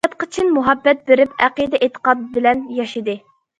ھاياتقا چىن مۇھەببەت بېرىپ، ئەقىدە- ئېتىقاد بىلەن ياشىدى.